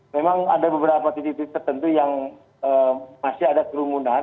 memang ada beberapa titik titik tertentu yang masih ada kerumunan